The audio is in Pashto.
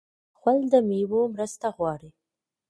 غول د میوو مرسته غواړي.